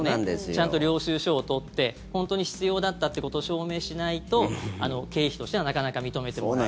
ちゃんと領収書を取って本当に必要だったってことを証明しないと経費としてはなかなか認めてもらえない。